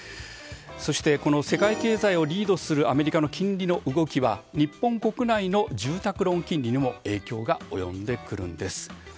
そして世界経済をリードするアメリカの金利の動きは日本国内の住宅ローン金利にも影響が及んでくるんです。